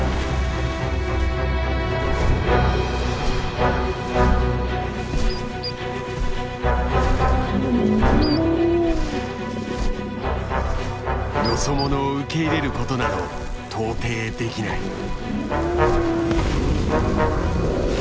よそ者を受け入れることなど到底できない。